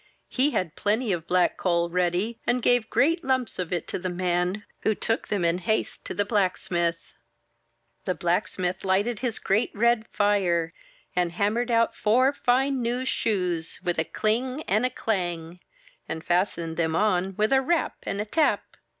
He had plenty of black coal ready and gave great lumps of it to the man, who took them in haste to the blacksmith. 9? MY BOOK HOUSE W"!''^ _(^<'• 0 ^ m^'\0^^^^^'^ /;# The blacksmith lighted his great red fire, and hammered out four fine new shoes, with a ding! and a clang ! and fastened them on with a rap ! and a tap